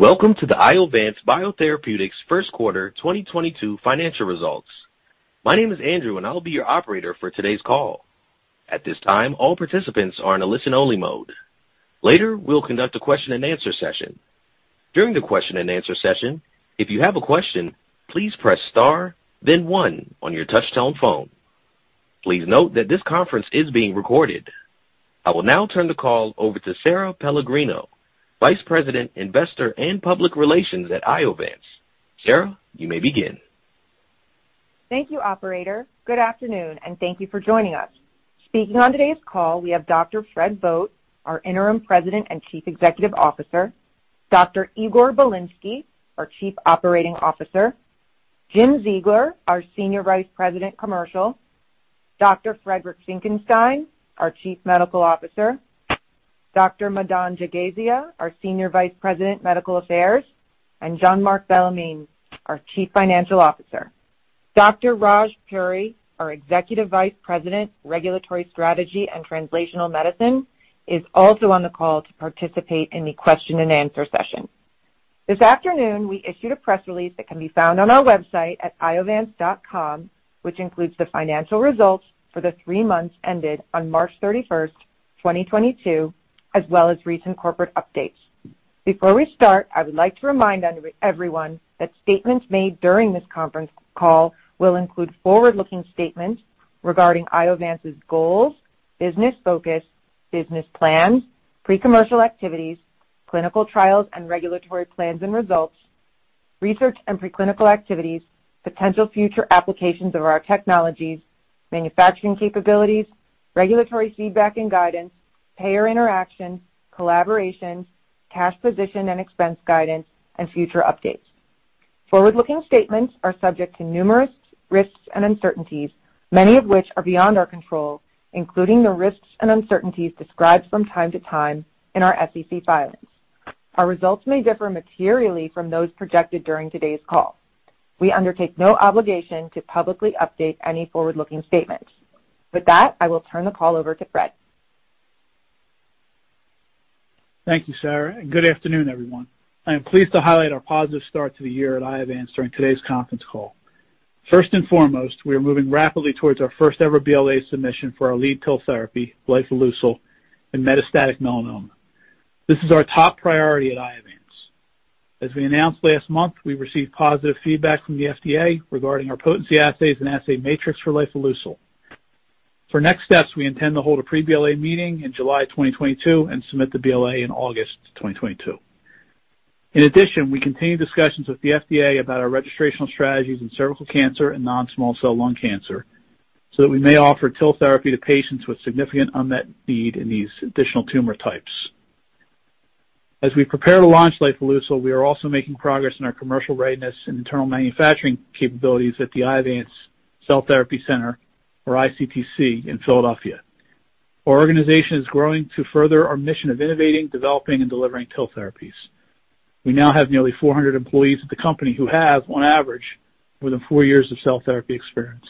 Welcome to the Iovance Biotherapeutics first quarter 2022 financial results. My name is Andrew, and I will be your operator for today's call. At this time, all participants are in a listen-only mode. Later, we'll conduct a question-and-answer session. During the question-and-answer session, if you have a question, please press star then one on your touchtone phone. Please note that this conference is being recorded. I will now turn the call over to Sara Pellegrino, Vice President, Investor Relations and Public Relations at Iovance. Sara, you may begin. Thank you, operator. Good afternoon, and thank you for joining us. Speaking on today's call, we have Dr. Fred Vogt, our Interim President and Chief Executive Officer, Dr. Igor Bilinsky, our Chief Operating Officer, Jim Ziegler, our Senior Vice President, Commercial, Dr. Friedrich Graf Finckenstein, our Chief Medical Officer, Dr. Madan Jagasia, our Senior Vice President, Medical Affairs, and Jean-Marc Bellemin, our Chief Financial Officer. Dr. Raj Puri, our Executive Vice President, Regulatory Strategy and Translational Medicine, is also on the call to participate in the question-and-answer session. This afternoon, we issued a press release that can be found on our website at iovance.com, which includes the financial results for the three months ended on March 31, 2022, as well as recent corporate updates. Before we start, I would like to remind everyone that statements made during this conference call will include forward-looking statements regarding Iovance's goals, business focus, business plans, pre-commercial activities, clinical trials and regulatory plans and results, research and preclinical activities, potential future applications of our technologies, manufacturing capabilities, regulatory feedback and guidance, payer interaction, collaborations, cash position and expense guidance, and future updates. Forward-looking statements are subject to numerous risks and uncertainties, many of which are beyond our control, including the risks and uncertainties described from time to time in our SEC filings. Our results may differ materially from those projected during today's call. We undertake no obligation to publicly update any forward-looking statements. With that, I will turn the call over to Fred. Thank you, Sarah, and good afternoon, everyone. I am pleased to highlight our positive start to the year at Iovance during today's conference call. First and foremost, we are moving rapidly towards our first ever BLA submission for our lead TIL therapy, lifileucel, in metastatic melanoma. This is our top priority at Iovance. As we announced last month, we received positive feedback from the FDA regarding our potency assays and assay matrix for lifileucel. For next steps, we intend to hold a pre-BLA meeting in July 2022 and submit the BLA in August 2022. In addition, we continue discussions with the FDA about our registrational strategies in cervical cancer and non-small cell lung cancer, so that we may offer TIL therapy to patients with significant unmet need in these additional tumor types. As we prepare to launch lifileucel, we are also making progress in our commercial readiness and internal manufacturing capabilities at the Iovance Cell Therapy Center, or iCTC, in Philadelphia. Our organization is growing to further our mission of innovating, developing, and delivering TIL therapies. We now have nearly 400 employees at the company who have, on average, more than 4 years of cell therapy experience.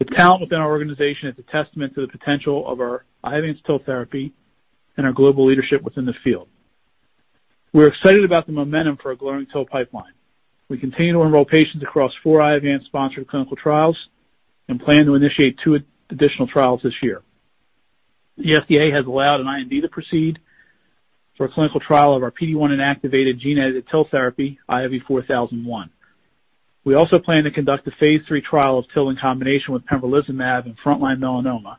The talent within our organization is a testament to the potential of our Iovance TIL therapy and our global leadership within the field. We're excited about the momentum for our growing TIL pipeline. We continue to enroll patients across 4 Iovance-sponsored clinical trials and plan to initiate 2 additional trials this year. The FDA has allowed an IND to proceed for a clinical trial of our PD-1 inactivated gene-edited TIL therapy, IOV-4001. We also plan to conduct a phase lll trial of TIL in combination with pembrolizumab in frontline melanoma,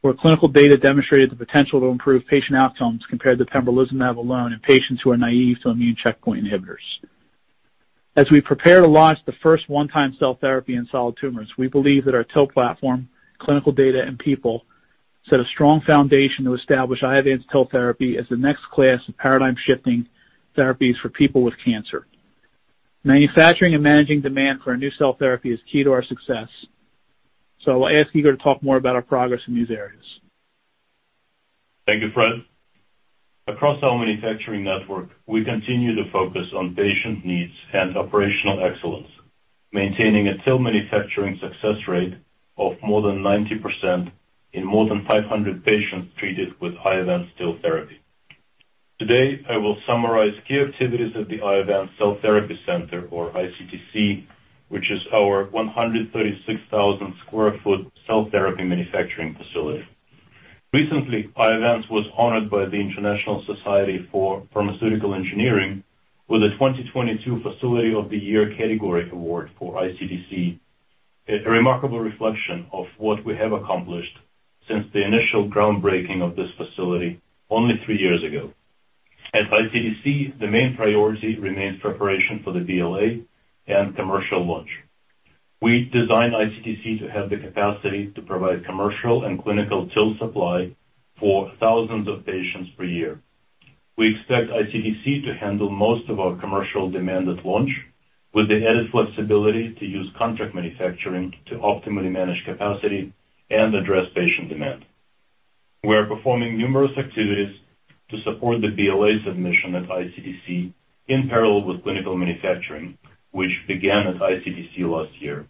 where clinical data demonstrated the potential to improve patient outcomes compared to pembrolizumab alone in patients who are naive to immune checkpoint inhibitors. As we prepare to launch the first one-time cell therapy in solid tumors, we believe that our TIL platform, clinical data, and people set a strong foundation to establish Iovance TIL therapy as the next class of paradigm-shifting therapies for people with cancer. Manufacturing and managing demand for our new cell therapy is key to our success. I'll ask Igor to talk more about our progress in these areas. Thank you, Fred. Across our manufacturing network, we continue to focus on patient needs and operational excellence, maintaining a TIL manufacturing success rate of more than 90% in more than 500 patients treated with Iovance TIL therapy. Today, I will summarize key activities at the Iovance Cell Therapy Center, or iCTC, which is our 136,000 sq ft cell therapy manufacturing facility. Recently, Iovance was honored by the International Society for Pharmaceutical Engineering with the 2022 Facility of the Year category award for iCTC, a remarkable reflection of what we have accomplished since the initial groundbreaking of this facility only three years ago. At iCTC, the main priority remains preparation for the BLA and commercial launch. We designed iCTC to have the capacity to provide commercial and clinical TIL supply for thousands of patients per year. We expect iCTC to handle most of our commercial demand at launch, with the added flexibility to use contract manufacturing to optimally manage capacity and address patient demand. We are performing numerous activities to support the BLA submission at iCTC in parallel with clinical manufacturing, which began at iCTC last year.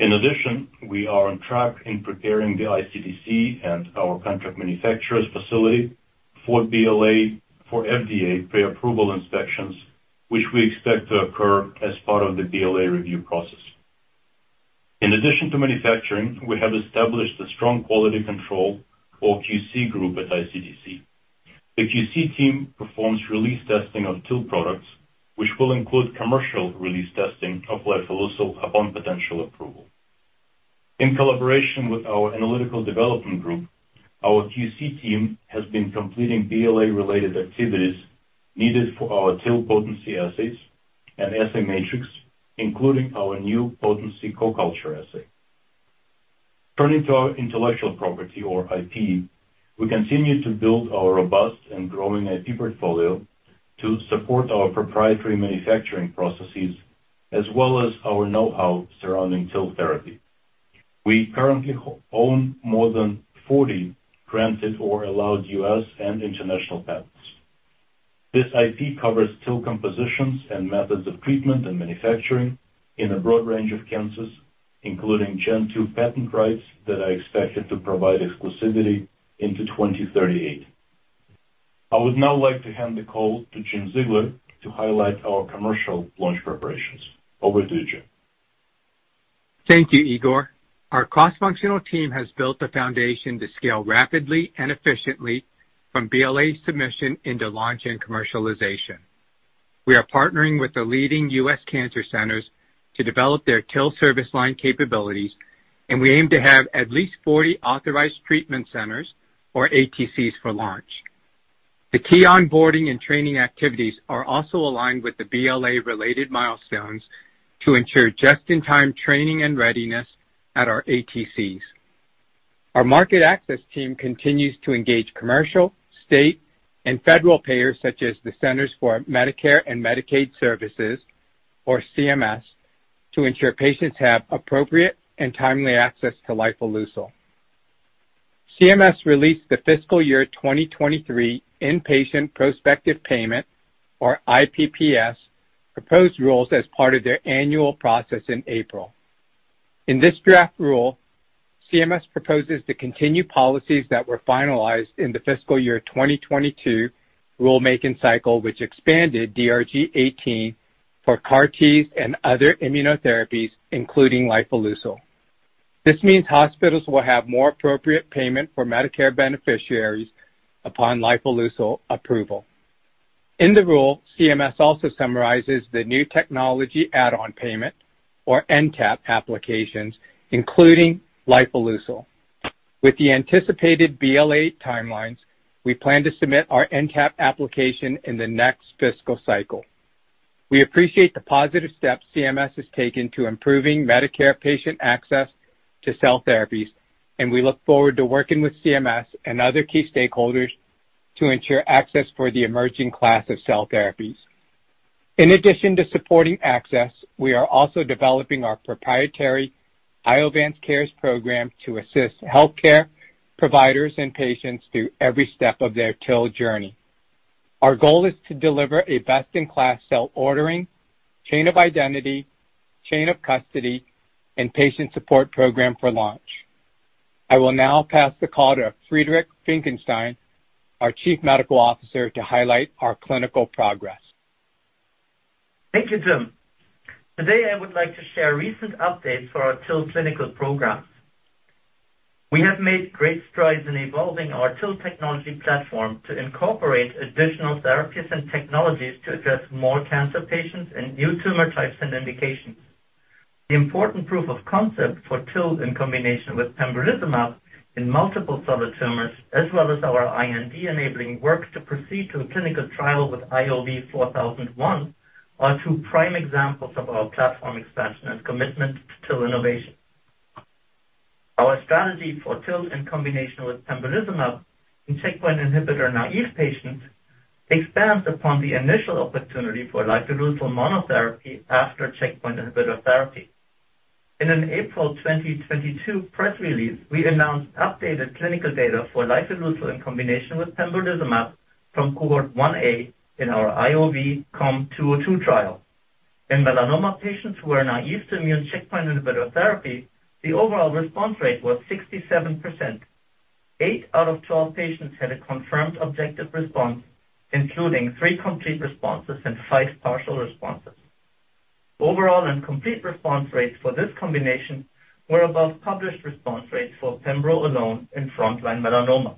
In addition, we are on track in preparing the iCTC and our contract manufacturer's facility for BLA for FDA pre-approval inspections, which we expect to occur as part of the BLA review process. In addition to manufacturing, we have established a strong quality control or QC group at iCTC. The QC team performs release testing of two products, which will include commercial release testing of lifileucel upon potential approval. In collaboration with our analytical development group, our QC team has been completing BLA-related activities needed for our TIL potency assays and assay matrix, including our new potency co-culture assay. Turning to our intellectual property or IP, we continue to build our robust and growing IP portfolio to support our proprietary manufacturing processes as well as our know-how surrounding TIL therapy. We currently own more than 40 granted or allowed U.S. and international patents. This IP covers TIL compositions and methods of treatment and manufacturing in a broad range of cancers, including Gen 2 patent rights that are expected to provide exclusivity into 2038. I would now like to hand the call to Jim Ziegler to highlight our commercial launch preparations. Over to you, Jim. Thank you, Igor. Our cross-functional team has built the foundation to scale rapidly and efficiently from BLA submission into launch and commercialization. We are partnering with the leading U.S. cancer centers to develop their TIL service line capabilities, and we aim to have at least 40 authorized treatment centers or ATCs for launch. The key onboarding and training activities are also aligned with the BLA-related milestones to ensure just-in-time training and readiness at our ATCs. Our market access team continues to engage commercial, state, and federal payers such as the Centers for Medicare and Medicaid Services, or CMS, to ensure patients have appropriate and timely access to lifileucel. CMS released the fiscal year 2023 Inpatient Prospective Payment, or IPPS, proposed rules as part of their annual process in April. In this draft rule, CMS proposes to continue policies that were finalized in the fiscal year 2022 rulemaking cycle, which expanded DRG 018 for CAR-Ts and other immunotherapies, including lifileucel. This means hospitals will have more appropriate payment for Medicare beneficiaries upon lifileucel approval. In the rule, CMS also summarizes the new technology add-on payment or NTAP applications, including lifileucel. With the anticipated BLA timelines, we plan to submit our NTAP application in the next fiscal cycle. We appreciate the positive steps CMS has taken to improving Medicare patient access to cell therapies, and we look forward to working with CMS and other key stakeholders to ensure access for the emerging class of cell therapies. In addition to supporting access, we are also developing our proprietary IovanceCares program to assist healthcare providers and patients through every step of their TIL journey. Our goal is to deliver a best-in-class cell ordering, chain of identity, chain of custody, and patient support program for launch. I will now pass the call to Friedrich Graf Finckenstein, our Chief Medical Officer, to highlight our clinical progress. Thank you, Jim. Today, I would like to share recent updates for our TIL clinical programs. We have made great strides in evolving our TIL technology platform to incorporate additional therapies and technologies to address more cancer patients and new tumor types and indications. The important proof of concept for TIL in combination with pembrolizumab in multiple solid tumors, as well as our IND-enabling work to proceed to a clinical trial with IOV-4001, are two prime examples of our platform expansion and commitment to TIL innovation. Our strategy for TIL in combination with pembrolizumab in checkpoint inhibitor naive patients expands upon the initial opportunity for lifileucel monotherapy after checkpoint inhibitor therapy. In an April 2022 press release, we announced updated clinical data for lifileucel in combination with pembrolizumab from Cohort 1A in our IOV-COM-202 trial. In melanoma patients who are naive to immune checkpoint inhibitor therapy, the overall response rate was 67%. Eight out of 12 patients had a confirmed objective response, including three complete responses and five partial responses. Overall and complete response rates for this combination were above published response rates for pembro alone in frontline melanoma.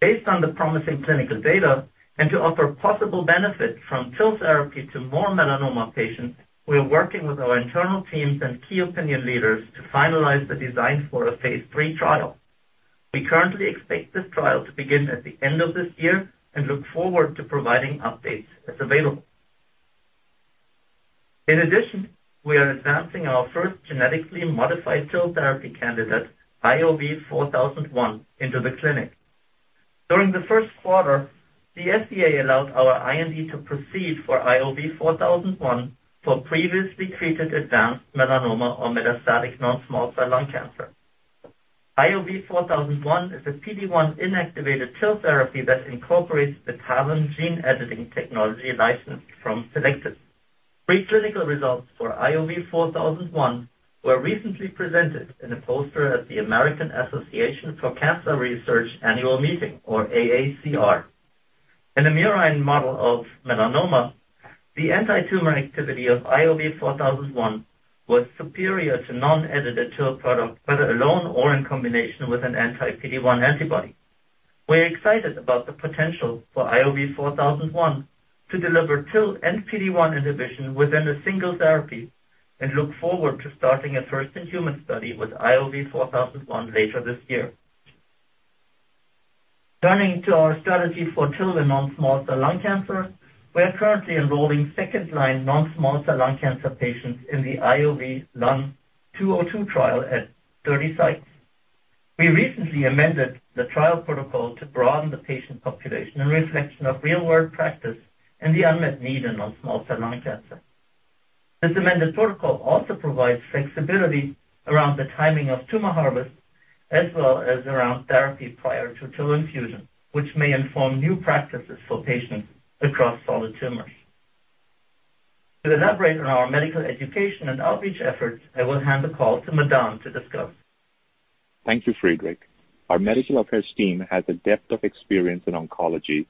Based on the promising clinical data and to offer possible benefit from TIL therapy to more melanoma patients, we are working with our internal teams and key opinion leaders to finalize the design for a phase lll trial. We currently expect this trial to begin at the end of this year and look forward to providing updates as available. In addition, we are advancing our first genetically modified TIL therapy candidate, IOV-4001, into the clinic. During the first quarter, the FDA allowed our IND to proceed for IOV-4001 for previously treated advanced melanoma or metastatic non-small cell lung cancer. IOV-4001 is a PD-1 inactivated cell therapy that incorporates the TALEN gene editing technology licensed from Cellectis. Preclinical results for IOV-4001 were recently presented in a poster at the American Association for Cancer Research annual meeting, or AACR. In a murine model of melanoma, the antitumor activity of IOV-4001 was superior to non-edited TIL product, whether alone or in combination with an anti-PD-1 antibody. We're excited about the potential for IOV-4001 to deliver TIL and PD-1 inhibition within a single therapy, and look forward to starting a first-in-human study with IOV-4001 later this year. Turning to our strategy for TIL in non-small cell lung cancer, we are currently enrolling second-line non-small cell lung cancer patients in the IOV-LUN-202 trial at 30 sites. We recently amended the trial protocol to broaden the patient population, a reflection of real-world practice and the unmet need in non-small cell lung cancer. This amended protocol also provides flexibility around the timing of tumor harvest, as well as around therapy prior to TIL infusion, which may inform new practices for patients across solid tumors. To elaborate on our medical education and outreach efforts, I will hand the call to Madan to discuss. Thank you, Friedrich. Our medical affairs team has a depth of experience in oncology,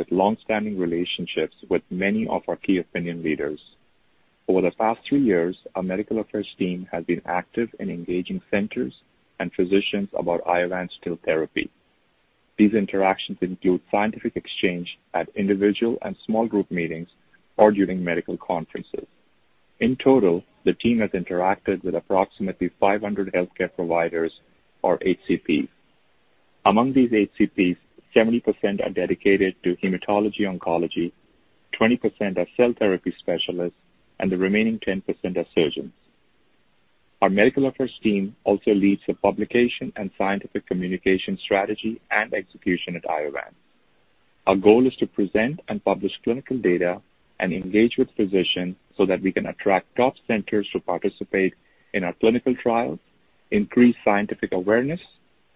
with long-standing relationships with many of our key opinion leaders. Over the past 3 years, our medical affairs team has been active in engaging centers and physicians about Iovance TIL therapy. These interactions include scientific exchange at individual and small group meetings or during medical conferences. In total, the team has interacted with approximately 500 healthcare providers or HCPs. Among these HCPs, 70% are dedicated to hematology oncology, 20% are cell therapy specialists, and the remaining 10% are surgeons. Our medical affairs team also leads the publication and scientific communication strategy and execution at Iovance. Our goal is to present and publish clinical data and engage with physicians so that we can attract top centers to participate in our clinical trials, increase scientific awareness,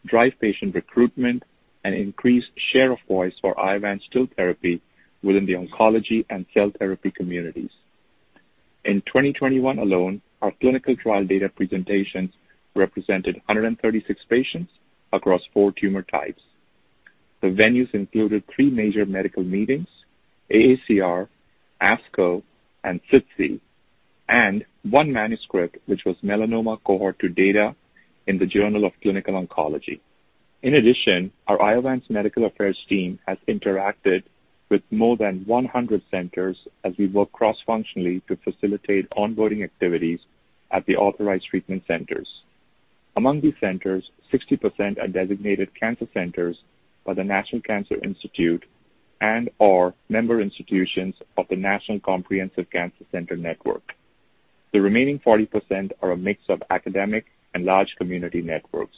drive patient recruitment, and increase share of voice for Iovance TIL therapy within the oncology and cell therapy communities. In 2021 alone, our clinical trial data presentations represented 136 patients across four tumor types. The venues included three major medical meetings, AACR, ASCO, and SITC, and one manuscript, which was melanoma cohort 2 data in the Journal of Clinical Oncology. In addition, our Iovance medical affairs team has interacted with more than 100 centers as we work cross-functionally to facilitate onboarding activities at the authorized treatment centers. Among these centers, 60% are designated cancer centers by the National Cancer Institute and/or member institutions of the National Comprehensive Cancer Network. The remaining 40% are a mix of academic and large community networks.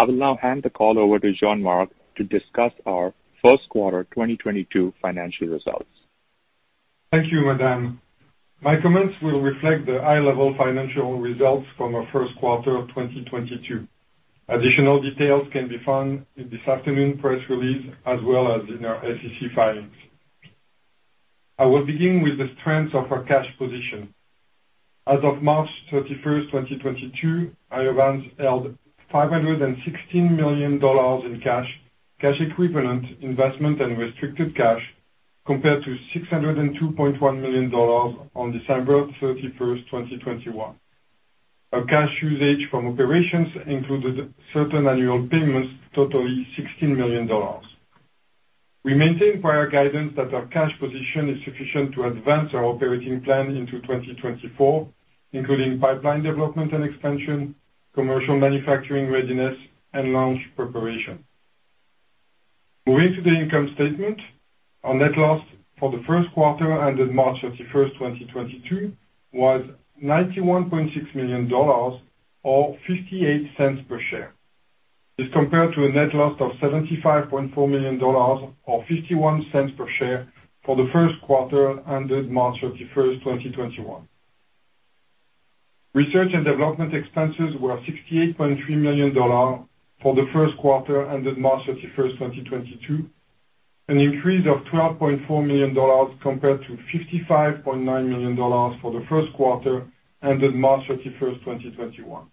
I will now hand the call over to Jean-Marc to discuss our first quarter 2022 financial results. Thank you, Madan. My comments will reflect the high-level financial results from our first quarter of 2022. Additional details can be found in this afternoon press release, as well as in our SEC filings. I will begin with the strength of our cash position. As of March 31, 2022, Iovance held $516 million in cash equivalent investment and restricted cash compared to $602.1 million on December 31, 2021. Our cash usage from operations included certain annual payments totaling $16 million. We maintain prior guidance that our cash position is sufficient to advance our operating plan into 2024, including pipeline development and expansion, commercial manufacturing readiness, and launch preparation. Moving to the income statement. Our net loss for the first quarter ended March 31st, 2022, was $91.6 million or $0.58 per share, as compared to a net loss of $75.4 million or $0.51 per share for the first quarter ended March 31st, 2021. Research and development expenses were $68.3 million for the first quarter ended March 31st, 2022, an increase of $12.4 million compared to $55.9 million for the first quarter ended March 31st, 2021.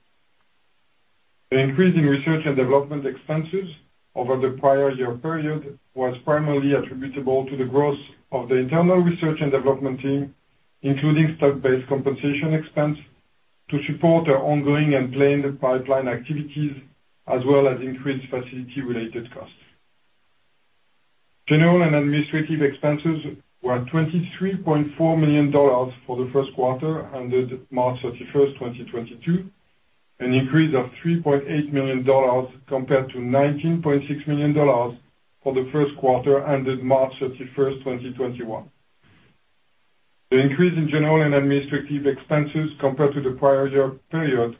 The increase in research and development expenses over the prior year period was primarily attributable to the growth of the internal research and development team, including stock-based compensation expense to support our ongoing and planned pipeline activities, as well as increased facility-related costs. General and administrative expenses were $23.4 million for the first quarter ended March 31, 2022, an increase of $3.8 million compared to $19.6 million for the first quarter ended March 31, 2021. The increase in general and administrative expenses compared to the prior year period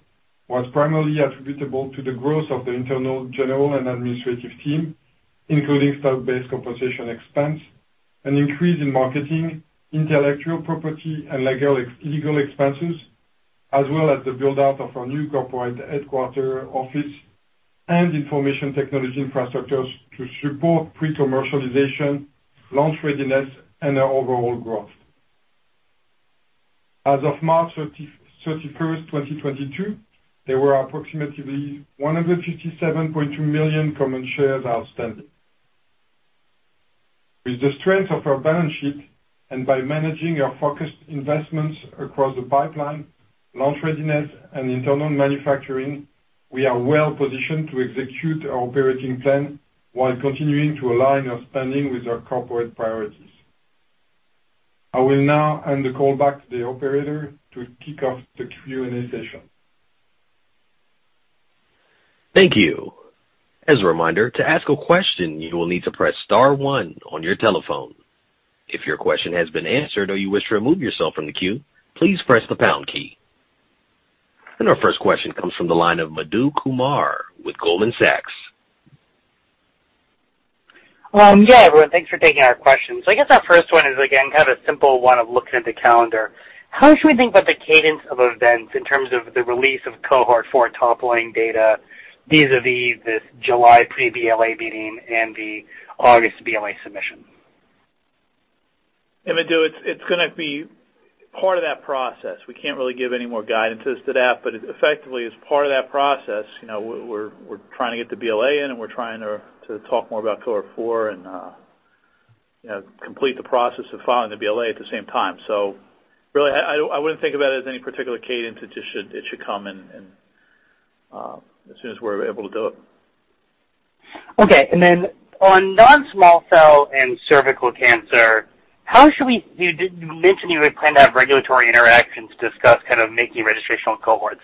was primarily attributable to the growth of the internal general and administrative team, including stock-based compensation expense. An increase in marketing, intellectual property and legal expenses, as well as the build-out of our new corporate headquarters office and information technology infrastructures to support pre-commercialization, launch readiness, and our overall growth. As of March 31, 2022, there were approximately 157.2 million common shares outstanding. With the strength of our balance sheet and by managing our focused investments across the pipeline, launch readiness and internal manufacturing, we are well-positioned to execute our operating plan while continuing to align our spending with our corporate priorities. I will now hand the call back to the operator to kick off the Q&A session. Thank you. As a reminder, to ask a question, you will need to press star one on your telephone. If your question has been answered or you wish to remove yourself from the queue, please press the pound key. Our first question comes from the line of Madhu Kumar with Goldman Sachs. Yeah, everyone, thanks for taking our questions. I guess our first one is, again, kind of a simple one of looking at the calendar. How should we think about the cadence of events in terms of the release of Cohort 4 top-line data, vis-à-vis this July pre-BLA meeting and the August BLA submission? Madhu, it's gonna be part of that process. We can't really give any more guidance as to that, but effectively, as part of that process, you know, we're trying to get the BLA in, and we're trying to talk more about Cohort 4 and, you know, complete the process of filing the BLA at the same time. Really, I wouldn't think about it as any particular cadence. It just should come and as soon as we're able to do it. Okay. On non-small cell and cervical cancer, how should we? You mentioned you would plan to have regulatory interactions to discuss kind of making registrational cohorts.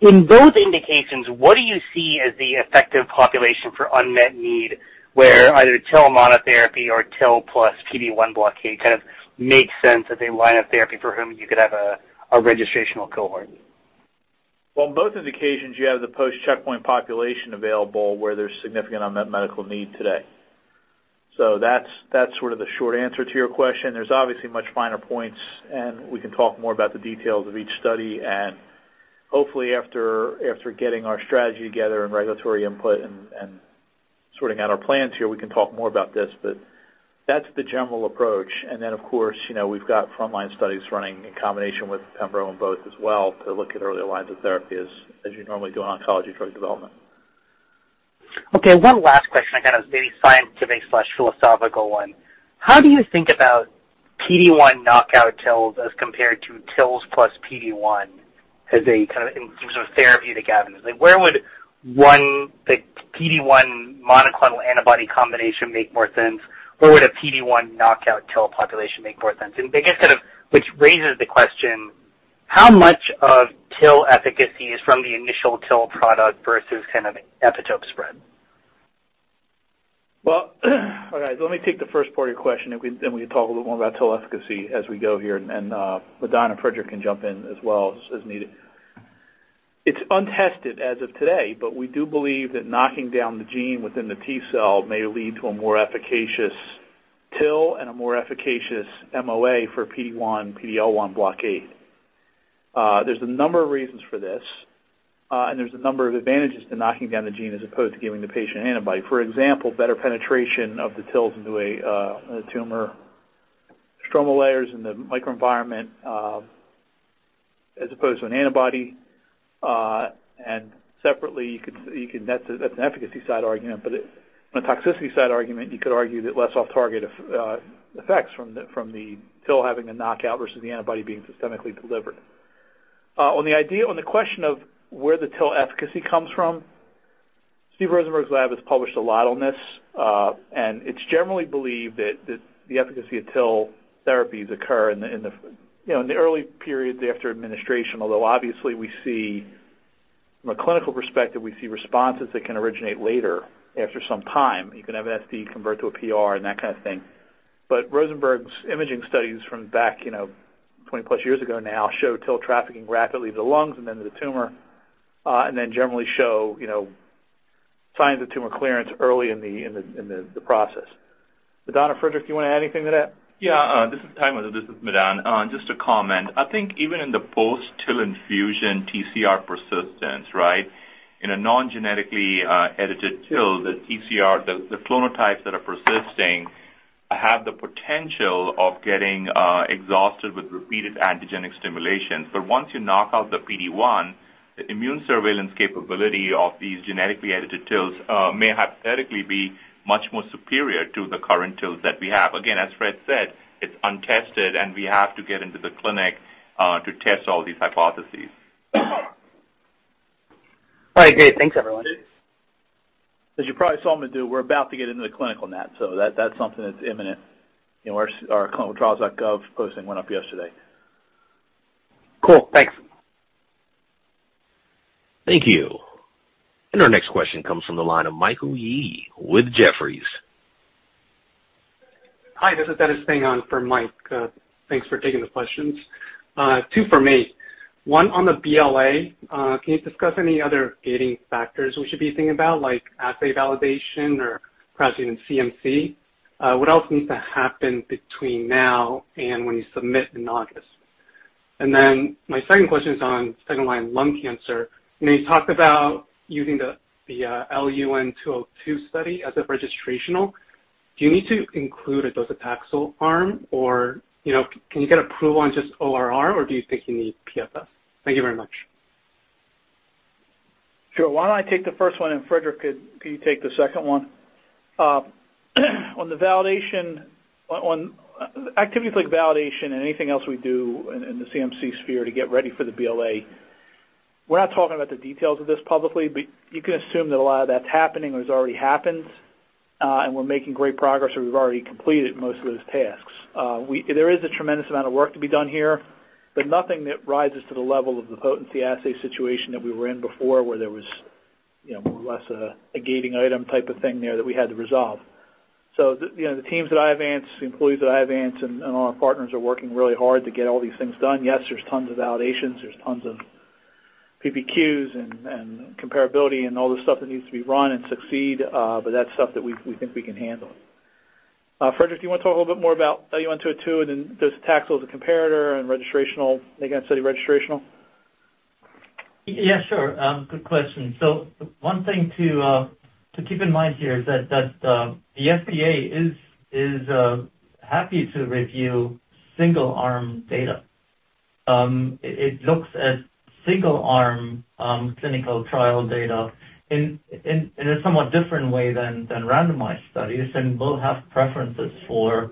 In both indications, what do you see as the effective population for unmet need, where either TIL monotherapy or TIL plus PD-1 blockade kind of makes sense as a line of therapy for whom you could have a registrational cohort? Well, in both indications you have the post-checkpoint population available where there's significant unmet medical need today. That's that's sort of the short answer to your question. There's obviously much finer points, and we can talk more about the details of each study. Hopefully after getting our strategy together and regulatory input and sorting out our plans here, we can talk more about this. That's the general approach. Then, of course, you know, we've got frontline studies running in combination with pembro in both as well to look at earlier lines of therapy as you normally do in oncology drug development. Okay, one last question, kind of maybe scientific/philosophical one. How do you think about PD-1 knockout TILs as compared to TILs plus PD-1 as a kind of in terms of therapeutic avenues? Like, where would one, the PD-1 monoclonal antibody combination make more sense or would a PD-1 knockout TIL population make more sense? And I guess kind of which raises the question, how much of TIL efficacy is from the initial TIL product versus kind of epitope spread? Well, all right. Let me take the first part of your question, and we can talk a little more about TIL efficacy as we go here. Madan and Friedrich can jump in as needed. It's untested as of today, but we do believe that knocking down the gene within the T-cell may lead to a more efficacious TIL and a more efficacious MOA for PD-1, PD-L1 blockade. There's a number of reasons for this, and there's a number of advantages to knocking down the gene as opposed to giving the patient an antibody. For example, better penetration of the TILs into a tumor stromal layers in the microenvironment, as opposed to an antibody. Separately you can. That's an efficacy side argument, but it. On a toxicity side argument, you could argue that less off-target effects from the TIL having a knockout versus the antibody being systemically delivered. On the idea, on the question of where the TIL efficacy comes from, Steven Rosenberg's lab has published a lot on this, and it's generally believed that the efficacy of TIL therapies occur in the early periods after administration. Although obviously we see, from a clinical perspective, responses that can originate later after some time. You can have SD convert to a PR and that kind of thing. Rosenberg's imaging studies from back 20+ years ago now show TIL trafficking rapidly to the lungs and then to the tumor and then generally show, you know, signs of tumor clearance early in the process. Madan or Frederick, do you wanna add anything to that? Yeah. This is Madan. Just to comment. I think even in the post-TIL infusion TCR persistence, right? In a non-genetically edited TIL, the TCR, the clonotypes that are persisting have the potential of getting exhausted with repeated antigenic stimulation. But once you knock out the PD-1, the immune surveillance capability of these genetically edited TILs may hypothetically be much more superior to the current TILs that we have. Again, as Fred said, it's untested, and we have to get into the clinic to test all these hypotheses. All right, great. Thanks everyone. As you probably saw, Madhu, we're about to get into the clinical net, so that's something that's imminent. You know, our clinicaltrials.gov posting went up yesterday. Cool, thanks. Thank you. Our next question comes from the line of Michael Yee with Jefferies. Hi, this is Dennis hanging on for Mike. Thanks for taking the questions. Two for me. One on the BLA. Can you discuss any other gating factors we should be thinking about, like assay validation or perhaps even CMC? What else needs to happen between now and when you submit in August? Then my second question is on second-line lung cancer. When you talked about using the LUN202 study as a registrational, do you need to include a docetaxel arm or, you know, can you get approval on just ORR or do you think you need PFS? Thank you very much. Sure. Why don't I take the first one and Frederick could you take the second one? On activities like validation and anything else we do in the CMC sphere to get ready for the BLA, we're not talking about the details of this publicly, but you can assume that a lot of that's happening or has already happened, and we're making great progress, or we've already completed most of those tasks. There is a tremendous amount of work to be done here, but nothing that rises to the level of the potency assay situation that we were in before, where there was, you know, more or less a gating item type of thing there that we had to resolve. The teams at Iovance, the employees at Iovance and all our partners are working really hard to get all these things done. Yes, there's tons of validations, there's tons of PPQs and comparability and all the stuff that needs to be run and succeed, but that's stuff that we think we can handle. Frederick, do you wanna talk a little bit more about LUN202 and then docetaxel as a comparator and registrational, making that study registrational? Yes, sure. Good question. One thing to keep in mind here is that the FDA is happy to review single-arm data. It looks at single-arm clinical trial data in a somewhat different way than randomized studies and will have preferences for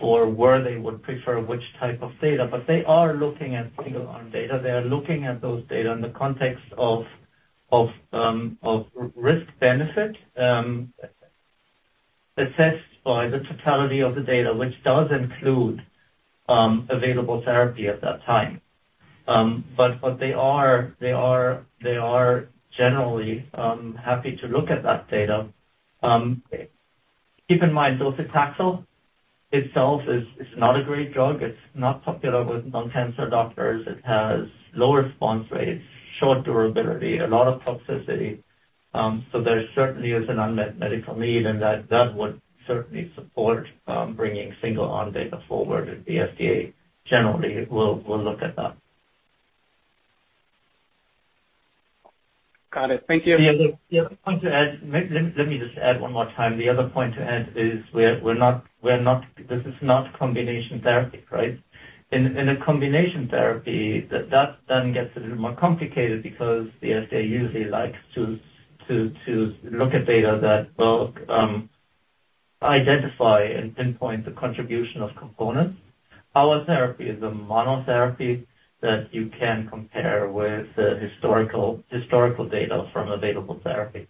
where they would prefer which type of data. They are looking at single-arm data. They are looking at those data in the context of risk-benefit assessed by the totality of the data, which does include available therapy at that time. What they are generally happy to look at that data. Keep in mind, docetaxel itself is not a great drug. It's not popular with lung cancer doctors. It has low response rates, short durability, a lot of toxicity. There certainly is an unmet medical need, and that would certainly support bringing single-arm data forward, and the FDA generally will look at that. Got it. Thank you. The other point to add, let me just add one more time. The other point to add is we're not. This is not combination therapy, right? In a combination therapy, that then gets a little more complicated because the FDA usually likes to look at data that both identify and pinpoint the contribution of components. Our therapy is a monotherapy that you can compare with the historical data from available therapy.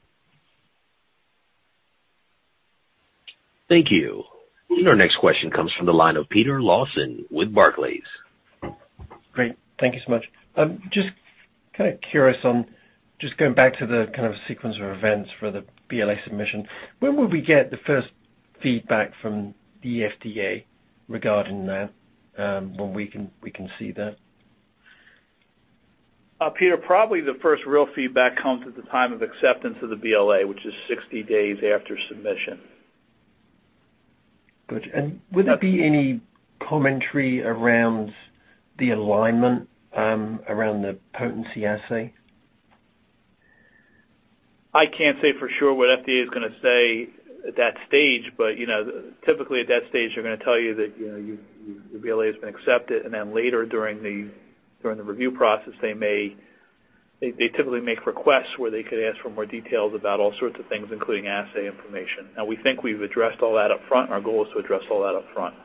Thank you. Our next question comes from the line of Peter Lawson with Barclays. Great. Thank you so much. Just kinda curious on just going back to the kind of sequence of events for the BLA submission. When will we get the first feedback from the FDA regarding that, when we can see that? Peter, probably the first real feedback comes at the time of acceptance of the BLA, which is 60 days after submission. Good. Would there be any commentary around the alignment, around the potency assay? I can't say for sure what FDA is gonna say at that stage, but you know, typically at that stage they're gonna tell you that, you know, your BLA has been accepted, and then later during the review process, they may. They typically make requests where they could ask for more details about all sorts of things, including assay information. Now we think we've addressed all that up front. Our goal is to address all that up front,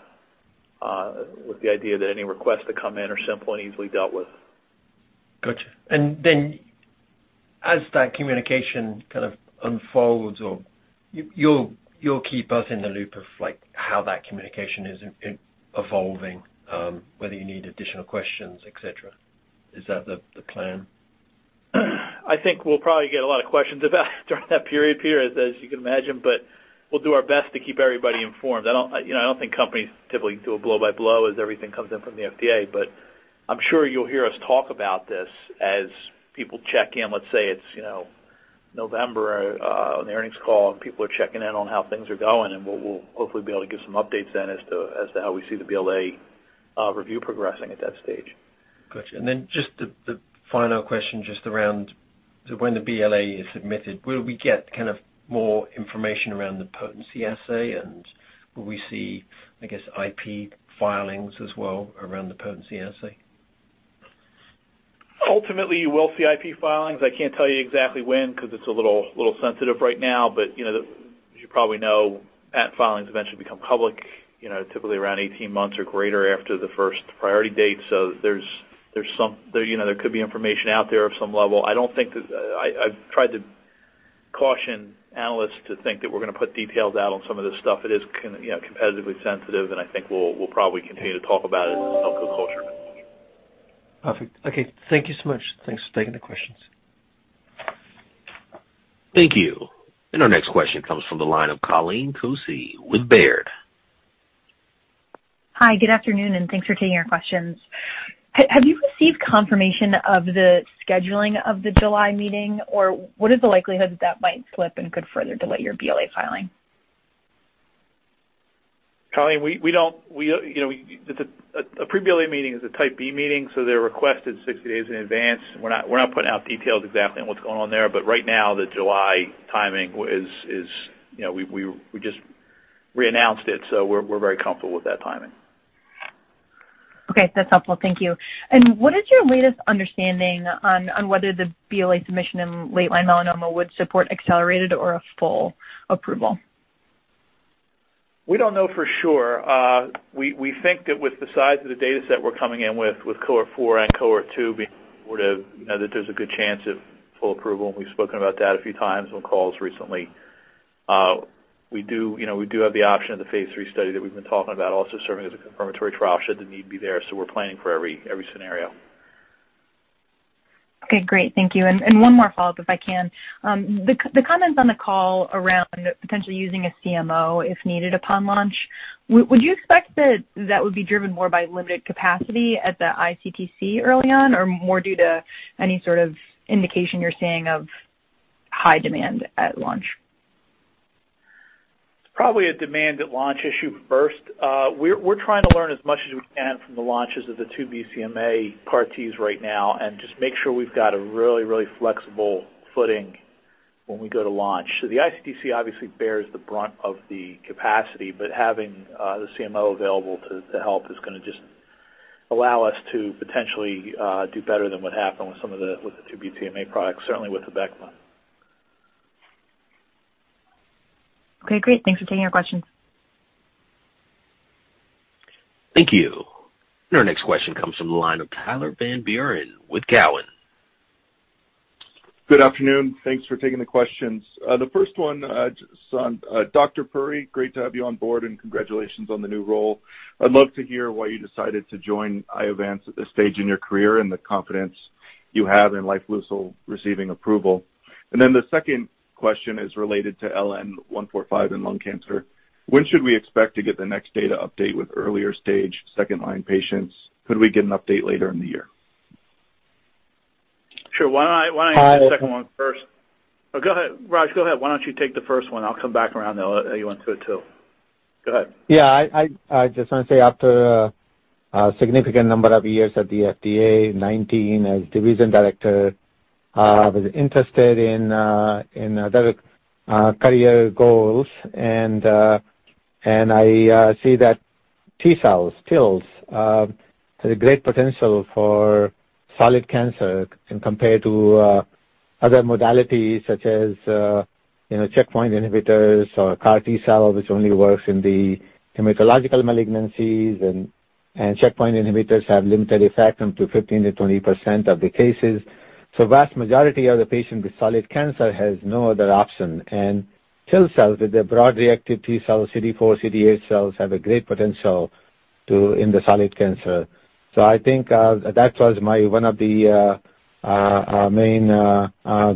with the idea that any requests that come in are simple and easily dealt with. Gotcha. As that communication kind of unfolds or you'll keep us in the loop of, like, how that communication is evolving, whether you need additional questions, et cetera. Is that the plan? I think we'll probably get a lot of questions about it during that period, Peter, as you can imagine, but we'll do our best to keep everybody informed. I don't, you know, I don't think companies typically do a blow by blow as everything comes in from the FDA, but I'm sure you'll hear us talk about this as people check in. Let's say it's, you know, November on the earnings call and people are checking in on how things are going, and we'll hopefully be able to give some updates then as to how we see the BLA review progressing at that stage. Gotcha. Just the final question just around so when the BLA is submitted, will we get kind of more information around the potency assay and will we see, I guess, IP filings as well around the potency assay? Ultimately, you will see IP filings. I can't tell you exactly when 'cause it's a little sensitive right now. You know, as you probably know, patent filings eventually become public, you know, typically around 18 months or greater after the first priority date. There's some. You know, there could be information out there of some level. I don't think that. I've tried to caution analysts to think that we're gonna put details out on some of this stuff. It is you know, competitively sensitive, and I think we'll probably continue to talk about it in some color. Perfect. Okay, thank you so much. Thanks for taking the questions. Thank you. Our next question comes from the line of Colleen Kusy with Baird. Hi, good afternoon, and thanks for taking our questions. Have you received confirmation of the scheduling of the July meeting, or what is the likelihood that that might slip and could further delay your BLA filing? Colleen, we don't, you know, it's a pre-BLA meeting, a type B meeting, so they're requested 60 days in advance. We're not putting out details exactly on what's going on there, but right now the July timing is, you know, we just re-announced it, so we're very comfortable with that timing. Okay, that's helpful. Thank you. What is your latest understanding on whether the BLA submission in late-line melanoma would support accelerated or a full approval? We don't know for sure. We think that with the size of the dataset we're coming in with cohort four and cohort two being supportive, you know, that there's a good chance of full approval, and we've spoken about that a few times on calls recently. We do, you know, we do have the option of the phase three study that we've been talking about also serving as a confirmatory trial should the need be there, so we're planning for every scenario. Okay, great. Thank you. One more follow-up, if I can. The comments on the call around potentially using a CMO if needed upon launch, would you expect that would be driven more by limited capacity at the iCTC early on, or more due to any sort of indication you're seeing of high demand at launch? It's probably a demand at launch issue first. We're trying to learn as much as we can from the launches of the two BCMA CAR-Ts right now and just make sure we've got a really, really flexible footing when we go to launch. The iCTC obviously bears the brunt of the capacity, but having the CMO available to help is gonna just allow us to potentially do better than what happened with the two BCMA products, certainly with the Abecma. Okay, great. Thanks for taking our questions. Thank you. Our next question comes from the line of Tyler Van Buren with Cowen. Good afternoon. Thanks for taking the questions. The first one, just on, Dr. Puri, great to have you on board, and congratulations on the new role. I'd love to hear why you decided to join Iovance at this stage in your career and the confidence you have in lifileucel receiving approval. The second question is related to LN-145 in lung cancer. When should we expect to get the next data update with earlier-stage second-line patients? Could we get an update later in the year? Sure. Why don't I. I- Hit the second one first? Oh, go ahead. Raj, go ahead. Why don't you take the first one? I'll come back around LUN-202. Go ahead. Yeah. I just wanna say after a significant number of years at the FDA, 19 as division director, I was interested in other career goals and I see that T-cells, TILs, has a great potential for solid cancer in comparison to other modalities such as you know, checkpoint inhibitors or CAR T-cell, which only works in the hematological malignancies and checkpoint inhibitors have limited effect only to 15%-20% of the cases. Vast majority of the patient with solid cancer has no other option, and TIL cells with their broad reactive T-cell CD4-CD8 cells have a great potential to in the solid cancer. I think that was my one of the main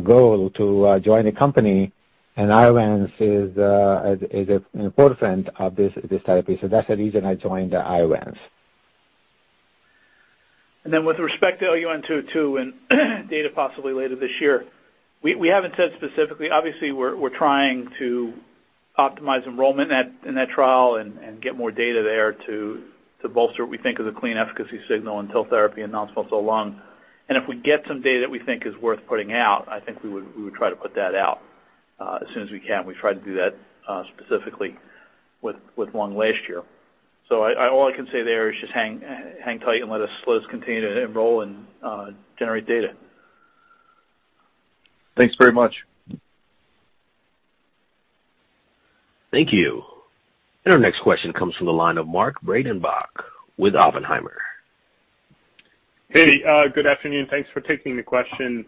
goal to join the company, and Iovance is a forefront of this therapy. That's the reason I joined Iovance. With respect to LUN-202 and data possibly later this year, we haven't said specifically. Obviously, we're trying to optimize enrollment in that trial and get more data there to bolster what we think is a clean efficacy signal in TIL therapy in non-small cell lung. If we get some data that we think is worth putting out, I think we would try to put that out as soon as we can. We tried to do that specifically with lung last year. I all I can say there is just hang tight and let us continue to enroll and generate data. Thanks very much. Thank you. Our next question comes from the line of Mark Breidenbach with Oppenheimer. Hey, good afternoon. Thanks for taking the questions.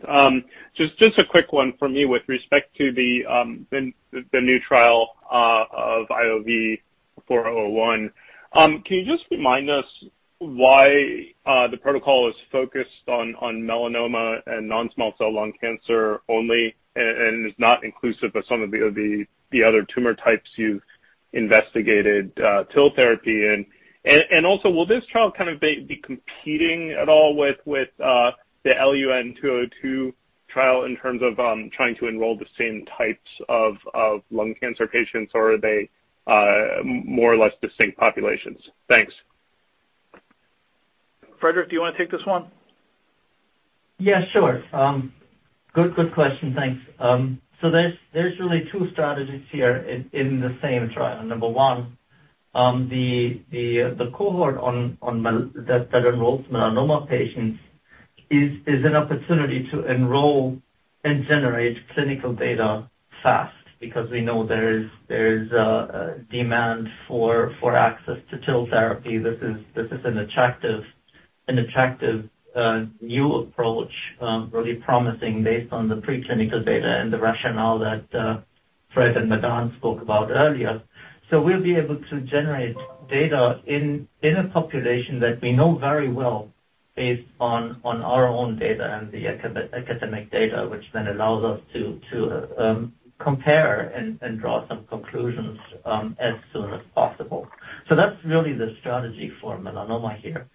Just a quick one from me with respect to the new trial of IOV-4001. Can you just remind us why the protocol is focused on melanoma and non-small cell lung cancer only and is not inclusive of some of the other tumor types you've investigated TIL therapy in? Also, will this trial kind of be competing at all with the LUN-202 trial in terms of trying to enroll the same types of lung cancer patients, or are they more or less distinct populations? Thanks. Frederick, do you wanna take this one? Yeah, sure. Good question. Thanks. There's really two strategies here in the same trial. Number one, the cohort that enrolls melanoma patients is an opportunity to enroll and generate clinical data fast because we know there is a demand for access to TIL therapy. This is an attractive new approach, really promising based on the preclinical data and the rationale that Fred and Madan spoke about earlier. We'll be able to generate data in a population that we know very well based on our own data and the academic data, which then allows us to compare and draw some conclusions as soon as possible. That's really the strategy for melanoma here.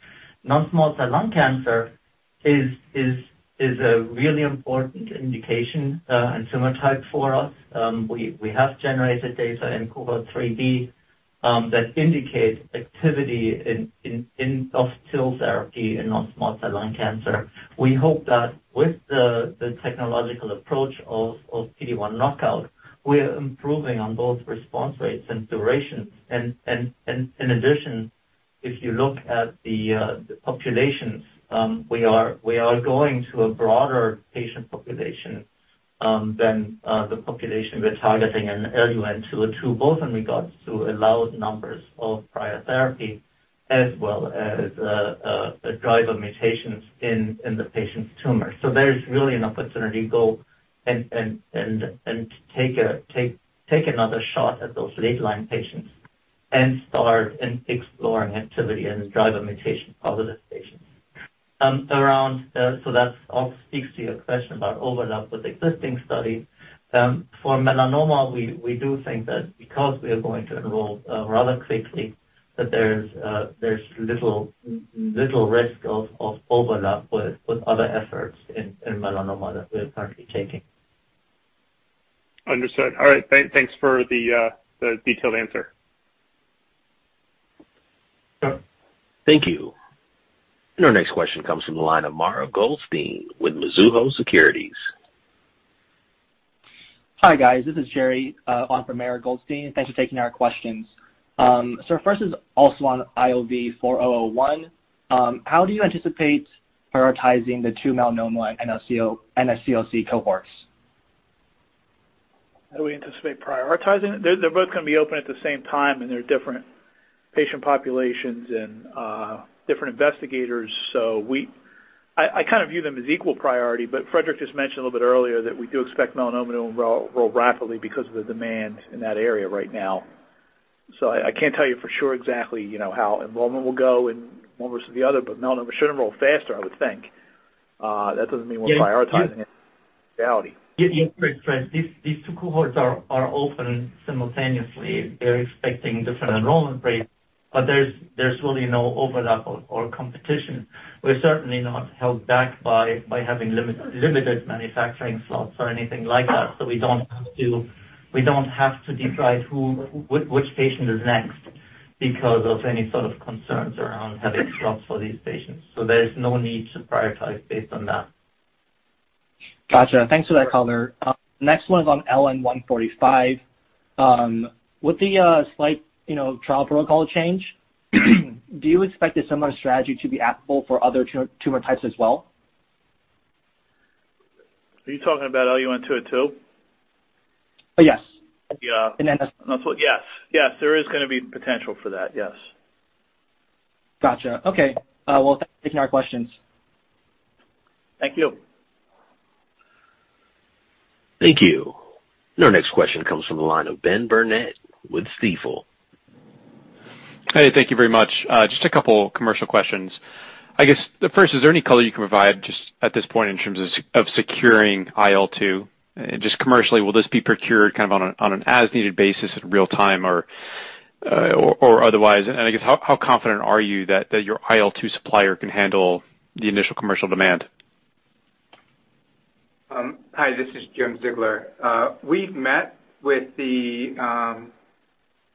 Non-small cell lung cancer is a really important indication and tumor type for us. We have generated data in Cohort 3B that indicates activity of TIL therapy in non-small cell lung cancer. We hope that with the technological approach of PD-1 knockout, we are improving on both response rates and duration. In addition, if you look at the populations, we are going to a broader patient population than the population we're targeting in LUN-202, both in regards to allowed numbers of prior therapy as well as driver mutations in the patient's tumor. There is really an opportunity to take another shot at those late line patients and start exploring activity in driver mutation population. That's all speaks to your question about overlap with existing study. For melanoma, we do think that because we are going to enroll rather quickly, that there's little risk of overlap with other efforts in melanoma that we are currently taking. Understood. All right. Thanks for the detailed answer. Thank you. Our next question comes from the line of Mara Goldstein with Mizuho Securities. Hi, guys. This is Jerry on for Mara Goldstein. Thanks for taking our questions. First is also on IOV-4001. How do you anticipate prioritizing the two melanoma NSCLC cohorts? How do we anticipate prioritizing it? They're both gonna be open at the same time, and they're different patient populations and different investigators. I kind of view them as equal priority, but Frederick just mentioned a little bit earlier that we do expect melanoma to enroll rapidly because of the demand in that area right now. I can't tell you for sure exactly, you know, how enrollment will go and one versus the other, but melanoma should enroll faster, I would think. That doesn't mean we're prioritizing it. Yeah. These two cohorts are open simultaneously. They're expecting different enrollment rates, but there's really no overlap or competition. We're certainly not held back by having limited manufacturing slots or anything like that. We don't have to decide which patient is next because of any sort of concerns around having slots for these patients. There is no need to prioritize based on that. Gotcha. Thanks for that color. Next one is on LN-145. Would the slight, you know, trial protocol change, do you expect a similar strategy to be applicable for other tumor types as well? Are you talking about LUN-202? Yes. Yeah. And then- Yes, there is gonna be potential for that, yes. Gotcha. Okay. Well, thanks for taking our questions. Thank you. Thank you. Our next question comes from the line of Ben Burnett with Stifel. Hey. Thank you very much. Just a couple commercial questions. I guess the first, is there any color you can provide just at this point in terms of securing IL-2? Just commercially, will this be procured kind of on a, on an as-needed basis in real time or otherwise? I guess, how confident are you that your IL-2 supplier can handle the initial commercial demand? Hi, this is Jim Ziegler. We've met with the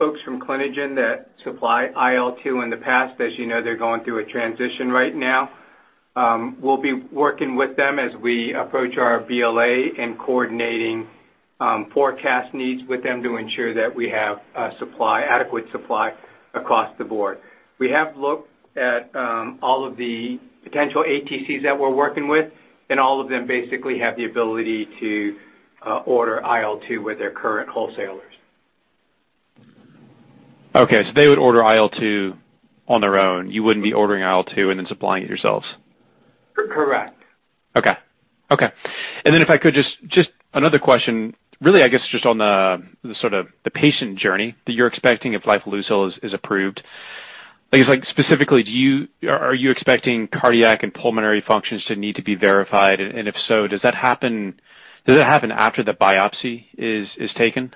folks from Clinigen that supply IL-2 in the past. As you know, they're going through a transition right now. We'll be working with them as we approach our BLA and coordinating forecast needs with them to ensure that we have supply, adequate supply across the board. We have looked at all of the potential ATCs that we're working with, and all of them basically have the ability to order IL-2 with their current wholesalers. Okay. They would order IL-2 on their own. You wouldn't be ordering IL-2 and then supplying it yourselves. C-correct. Okay. Then if I could just another question, really, I guess, just on the sort of the patient journey that you're expecting if lifileucel is approved. I guess, like, specifically, are you expecting cardiac and pulmonary functions to need to be verified? If so, does that happen after the biopsy is taken?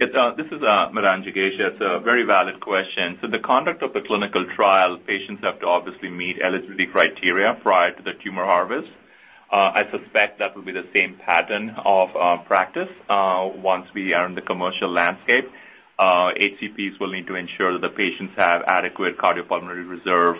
This is Madan Jagasia. It's a very valid question. The conduct of the clinical trial, patients have to obviously meet eligibility criteria prior to the tumor harvest. I suspect that will be the same pattern of practice once we are in the commercial landscape. HCPs will need to ensure that the patients have adequate cardiopulmonary reserve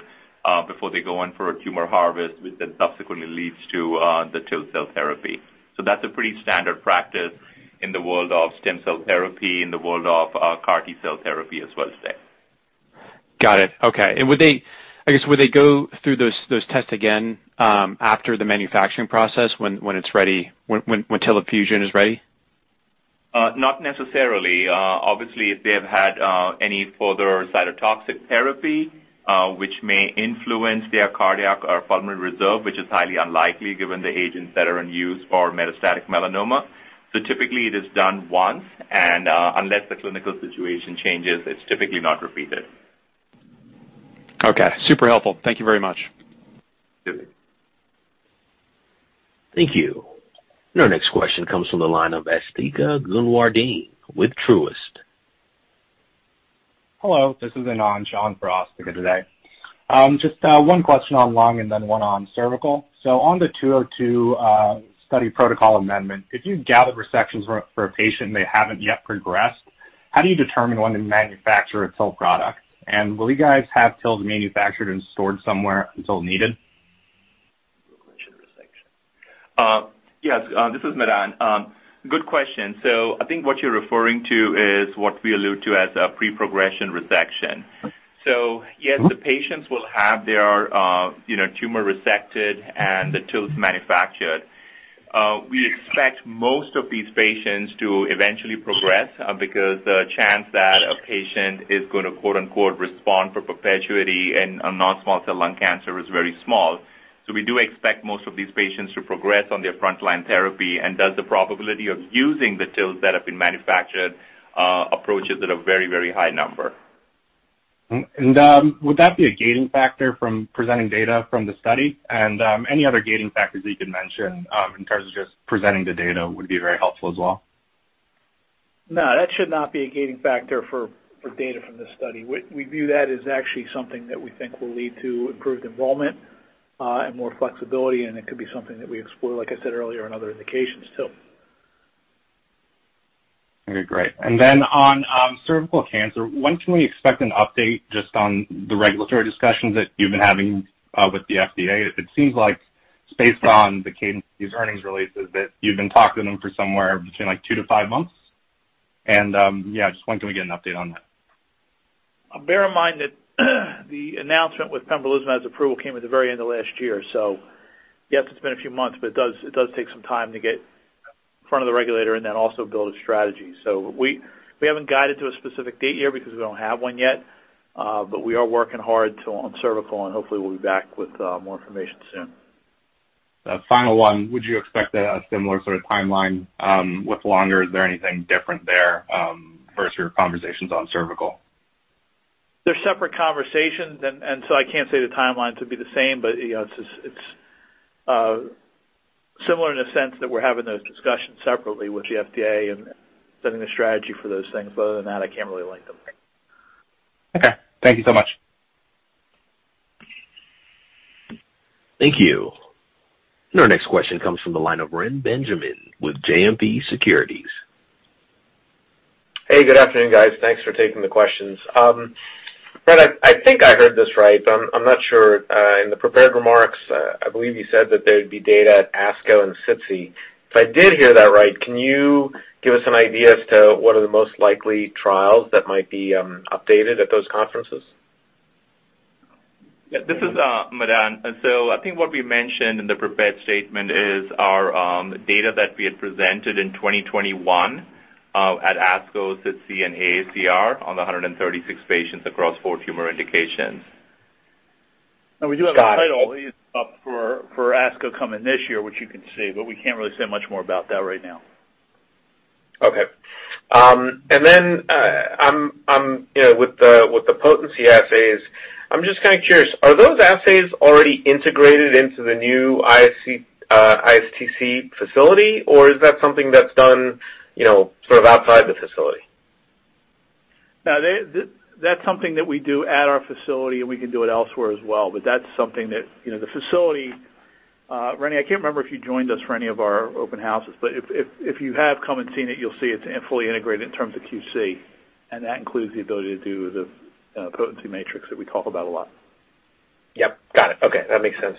before they go in for a tumor harvest, which then subsequently leads to the TIL cell therapy. That's a pretty standard practice in the world of stem cell therapy, in the world of CAR T-cell therapy as well today. Got it. Okay. Would they, I guess, go through those tests again after the manufacturing process when it's ready, when lifileucel is ready? Not necessarily. Obviously, if they have had any further cytotoxic therapy, which may influence their cardiac or pulmonary reserve, which is highly unlikely given the agents that are in use for metastatic melanoma. Typically it is done once, and unless the clinical situation changes, it's typically not repeated. Okay. Super helpful. Thank you very much Thank you. Our next question comes from the line of Asthika Goonewardene with Truist. Hello. This is [inaudible] for Asthika Goonewardene today. Just one question on lung and then one on cervical. On the 202 study protocol amendment, if you gather resections for a patient and they haven't yet progressed, how do you determine when to manufacture a TIL product? Will you guys have TILs manufactured and stored somewhere until needed? Yes. This is Madan. Good question. I think what you're referring to is what we allude to as a pre-progression resection. Yes, the patients will have their, you know, tumor resected and the TILs manufactured. We expect most of these patients to eventually progress, because the chance that a patient is gonna quote unquote "respond for perpetuity" in a non-small cell lung cancer is very small. We do expect most of these patients to progress on their frontline therapy, and thus the probability of using the TILs that have been manufactured, approaches at a very, very high number. Would that be a gating factor from presenting data from the study? Any other gating factors that you could mention in terms of just presenting the data would be very helpful as well. No, that should not be a gating factor for data from this study. We view that as actually something that we think will lead to improved enrollment, and more flexibility, and it could be something that we explore, like I said earlier, in other indications too. Okay, great. On cervical cancer, when can we expect an update just on the regulatory discussions that you've been having with the FDA? It seems like based on the cadence of these earnings releases that you've been talking to them for somewhere between like 2-5 months. Yeah, just when can we get an update on that? Bear in mind that the announcement with pembrolizumab's approval came at the very end of last year. Yes, it's been a few months, but it does take some time to get in front of the regulator and then also build a strategy. We haven't guided to a specific date year because we don't have one yet, but we are working hard on cervical and hopefully we'll be back with more information soon. A final one. Would you expect a similar sort of timeline with lung or is there anything different there versus your conversations on cervical? They're separate conversations and so I can't say the timelines would be the same, but, you know, it's just similar in a sense that we're having those discussions separately with the FDA and setting the strategy for those things. But other than that, I can't really link them. Okay. Thank you so much. Thank you. Our next question comes from the line of Renny Benjamin with JMP Securities. Hey, good afternoon, guys. Thanks for taking the questions. Fred, I think I heard this right, but I'm not sure. In the prepared remarks, I believe you said that there'd be data at ASCO and SITC. If I did hear that right, can you give us some idea as to what are the most likely trials that might be updated at those conferences? Yeah, this is Madan. I think what we mentioned in the prepared statement is our data that we had presented in 2021 at ASCO, SITC, and AACR on the 136 patients across four tumor indications. We do have an update for ASCO coming this year, which you can see, but we can't really say much more about that right now. I'm, you know, with the potency assays, I'm just kinda curious, are those assays already integrated into the new iCTC facility, or is that something that's done, you know, sort of outside the facility? No, that's something that we do at our facility, and we can do it elsewhere as well. That's something that, you know, the facility, Renny, I can't remember if you joined us for any of our open houses, but if you have come and seen it, you'll see it's fully integrated in terms of QC, and that includes the ability to do the potency matrix that we talk about a lot. Yep. Got it. Okay, that makes sense.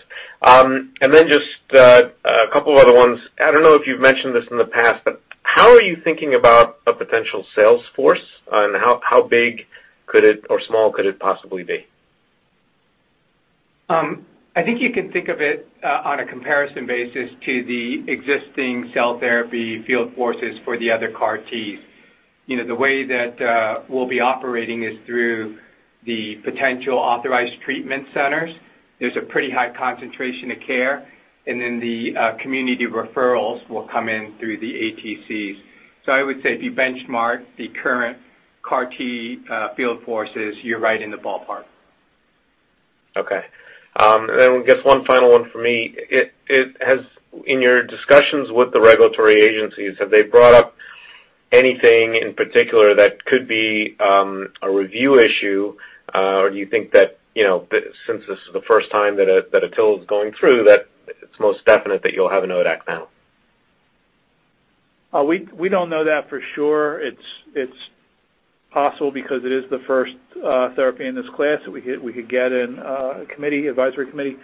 Just a couple other ones. I don't know if you've mentioned this in the past, but how are you thinking about a potential sales force, and how big could it or small could it possibly be? I think you can think of it on a comparison basis to the existing cell therapy field forces for the other CAR-Ts. You know, the way that we'll be operating is through the potential Authorized Treatment Centers. There's a pretty high concentration of care, and then the community referrals will come in through the ATCs. I would say if you benchmark the current CAR-T field forces, you're right in the ballpark. Okay. I guess one final one for me. In your discussions with the regulatory agencies, have they brought up anything in particular that could be a review issue? Or do you think that, you know, since this is the first time that a TIL is going through, that it's most definitely that you'll have an ODAC panel? We don't know that for sure. It's possible because it is the first therapy in this class that we could get in a committee, advisory committee.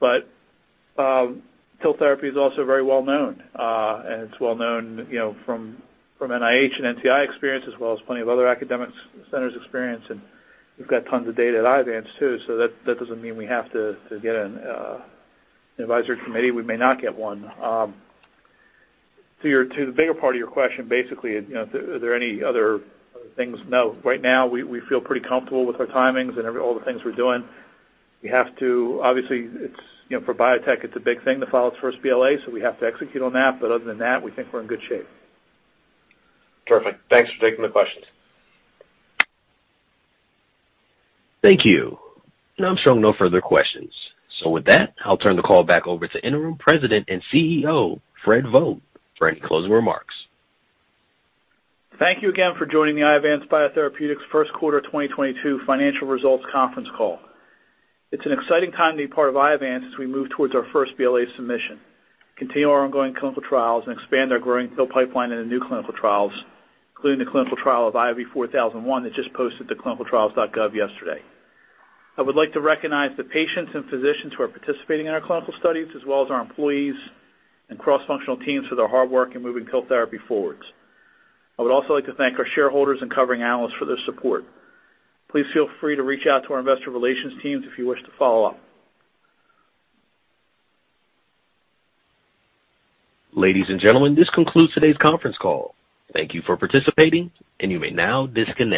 TIL therapy is also very well known, and it's well known, you know, from NIH and NCI experience, as well as plenty of other academic centers' experience. We've got tons of data at Iovance too, so that doesn't mean we have to get an advisory committee. We may not get one. To the bigger part of your question, basically, you know, are there any other things? No. Right now, we feel pretty comfortable with our timings and all the things we're doing. We have to. Obviously, it's, you know, for biotech, it's a big thing to file its first BLA, so we have to execute on that. But other than that, we think we're in good shape. Perfect. Thanks for taking the questions. Thank you. I'm showing no further questions. With that, I'll turn the call back over to Interim President and CEO, Fred Vogt, for any closing remarks. Thank you again for joining the Iovance Biotherapeutics first quarter 2022 financial results conference call. It's an exciting time to be part of Iovance as we move towards our first BLA submission, continue our ongoing clinical trials, and expand our growing TIL pipeline into new clinical trials, including the clinical trial of IOV-4001 that just posted to clinicaltrials.gov yesterday. I would like to recognize the patients and physicians who are participating in our clinical studies, as well as our employees and cross-functional teams for their hard work in moving TIL therapy forward. I would also like to thank our shareholders and covering analysts for their support. Please feel free to reach out to our investor relations teams if you wish to follow up. Ladies and gentlemen, this concludes today's conference call. Thank you for participating, and you may now disconnect.